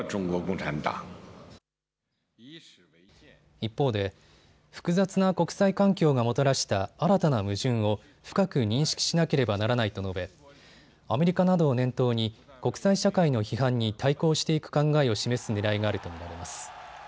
一方で複雑な国際環境がもたらした新たな矛盾を深く認識しなければならないと述べ、アメリカなどを念頭に国際社会の批判に対抗していく考えを示すねらいがあると見られます。